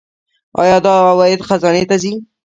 آیا دا عواید خزانې ته ځي؟